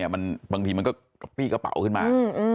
บางทีมันก็ปี้กระเป๋าขึ้นมา